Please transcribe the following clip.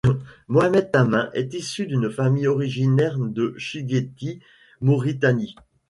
Mohammed Tamim est issu d'une famille originaire de Chinguetti, Mauritanie.